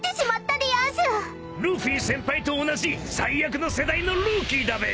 ［ルフィ先輩と同じ最悪の世代のルーキーだべ］